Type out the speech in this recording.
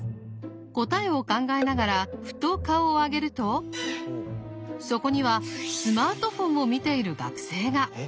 答えを考えながらふと顔を上げるとそこにはスマートフォンを見ている学生が！